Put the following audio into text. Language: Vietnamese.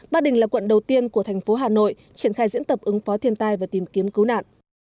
ba đình là quận đầu tiên của thành phố hà nội triển khai diễn tập ứng phó thiên tai và tìm kiếm cứu nạn